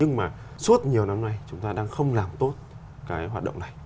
nhưng mà suốt nhiều năm nay chúng ta đang không làm tốt cái hoạt động này